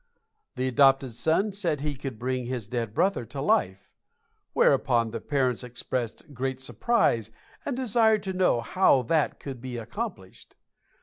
The adopted son said he could bring his dead brother to life, whereupon the parents expressed great surprise and desired to know how that could be accomplished.